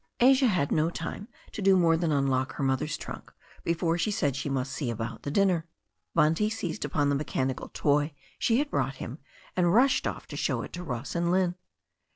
Asia had no time to do more than unlock her mother's trunk before she said she must see about the dinner. Bunty seized upon the mechanical toy she had brought him, and rushed off to show it to Ross and Lynne.